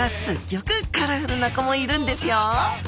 ギョくカラフルな子もいるんですよ。